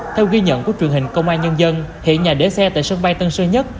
theo ghi nhận của truyền hình công an nhân dân hiện nhà để xe tại sân bay tân sơn nhất